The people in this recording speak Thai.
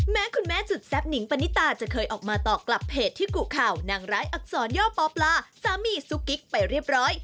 คุณแม่สุดแซ่บหนิงปณิตาจะเคยออกมาตอบกลับเพจที่กุข่าวนางร้ายอักษรย่อปอปลาสามีซุกกิ๊กไปเรียบร้อย